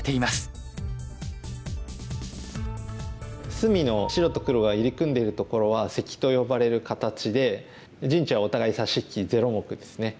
隅の白と黒が入り組んでいるところはセキと呼ばれる形で陣地はお互い差し引きゼロ目ですね。